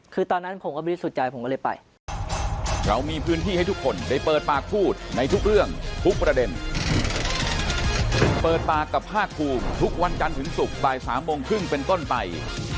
คือตอนนั้นผมก็ไม่รู้สุดใจผมก็เลยไป